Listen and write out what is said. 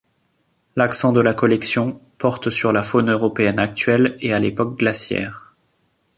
L'accent de la collection porte sur la faune européenne actuelle et à l'époque glaciaire.